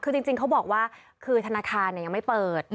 คือจริงเขาบอกว่าคือธนาคารยังไม่เปิด